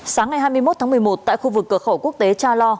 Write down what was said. sáng ngày hai mươi một tháng một mươi một tại khu vực cửa khẩu quốc tế cha lo